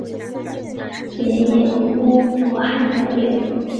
曷言乎罗汉脚也？